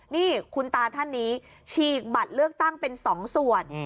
นี่คุณตาท่านนี้ฉีกบัตรเลือกตั้งเป็น๒ส่วน